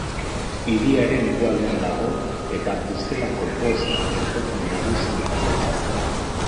Hiriaren hegoaldean dago, eta Bruselako bost geltoki nagusietako bat da.